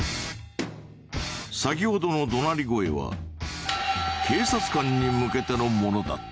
先ほどの怒鳴り声は警察官に向けてのものだった。